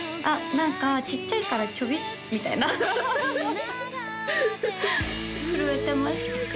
何かちっちゃいからチョビみたいな震えてます